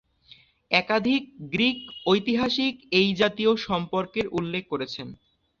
একাধিক গ্রিক ঐতিহাসিক এই জাতীয় সম্পর্কের উল্লেখ করেছেন।